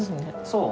そう。